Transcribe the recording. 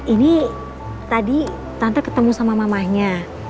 ini tadi tante ketemu sama mamahnya